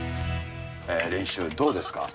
練習、どうですか。